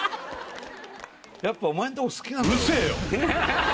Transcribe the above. やっぱお前んとこ好きなんだよ